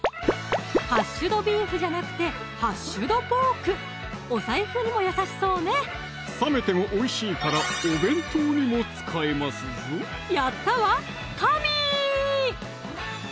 ハッシュドビーフじゃなくて「ハッシュドポーク」お財布にも優しそうね冷めてもおいしいからお弁当にも使えますぞやったわ神ー！